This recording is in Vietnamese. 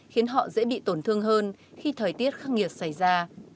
khiến họ dễ bị tổn thương hơn khi thời tiết khắc nghiệt xảy ra